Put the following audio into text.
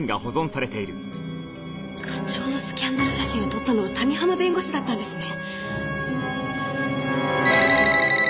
課長のスキャンダル写真を撮ったのは谷浜弁護士だったんですね。